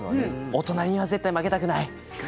お隣には負けたくない。